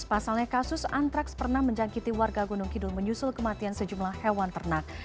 pasalnya kasus antraks pernah menjangkiti warga gunung kidul menyusul kematian sejumlah hewan ternak